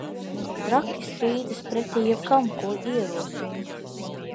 Traki strīdas pretī jebkam, ko ierosinu.